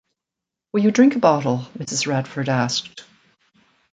“Will you drink a bottle?” Mrs. Radford asked.